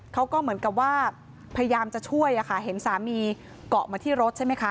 เขาก็เหมือนกับว่าพยายามจะช่วยอะค่ะเห็นสามีเกาะมาที่รถใช่ไหมคะ